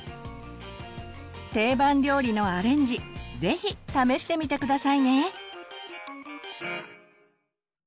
定番料理のアレンジぜひ試してみて下さいね！